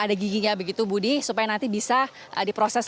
karena berkas hanya kartu keluarga maupun ijazah ini tidak cukup untuk bisa diproses